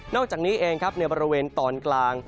อกจากนี้เองครับในบริเวณตอนกลาง